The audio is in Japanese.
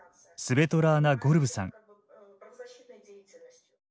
スベトラーナ・ゴルブさん。